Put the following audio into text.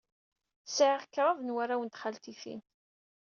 Sɛiɣ kraḍ warraw n txaltitin.